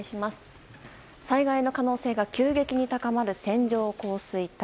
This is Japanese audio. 災害の可能性が急激に高まる線状降水帯。